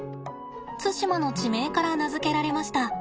対馬の地名から名付けられました。